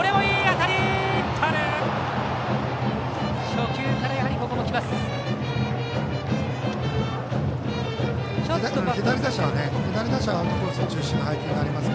初球からここも来ます。